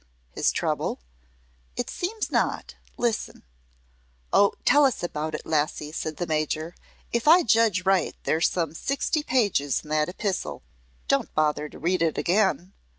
"His trouble." "It seems not. Listen " "Oh, tell us about it, lassie," said the Major. "If I judge right there's some sixty pages in that epistle. Don't bother to read it again."